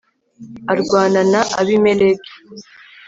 arwana na abimeleki